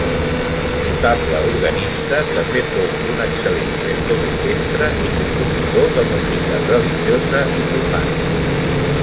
Notable organista, també fou un excel·lent director d'orquestra i compositor de música religiosa i profana.